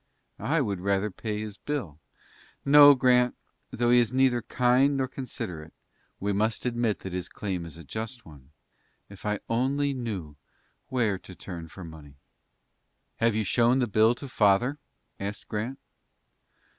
"I would rather pay his bill. No, Grant, though he is neither kind nor considerate, we must admit that his claim is a just one. If I only knew where to turn for money!" "Have you shown the bill to father?" asked Grant.